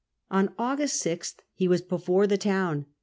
On August 6 he was before the town.